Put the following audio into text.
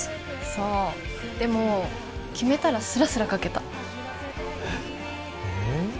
そうでも決めたらすらすら書けたえ